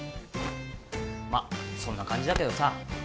まっそんな感じだけどさ